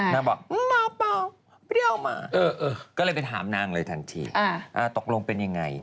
บอกมาเปล่าเปรี้ยวมาก็เลยไปถามนางเลยทันทีตกลงเป็นยังไง